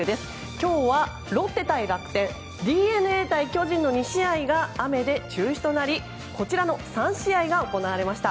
今日はロッテ対楽天ＤｅＮＡ対巨人の２試合が雨で中止となりこちらの３試合が行われました。